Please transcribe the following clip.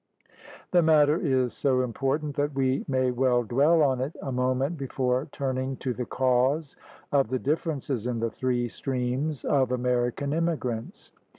The matter is so important that we may well dwell on it a moment before turning to the cause of the differences in the three streams of American immigrants.